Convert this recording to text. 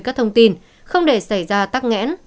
các thông tin không để xảy ra tắc nghẽn